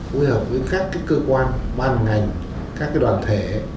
phối hợp với các cơ quan ban ngành các đoàn thể